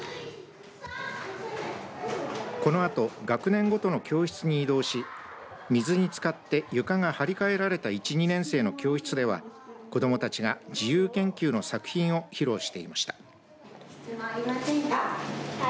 このあと学年ごとの教室に移動し水につかって床が張り替えられた１、２年生の教室では子どもたちが自由研究の作品を披露していました。